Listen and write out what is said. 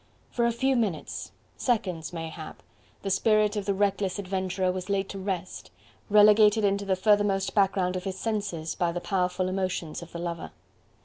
For a few minutes seconds, mayhap the spirit of the reckless adventurer was laid to rest, relegated into the furthermost background of his senses by the powerful emotions of the lover.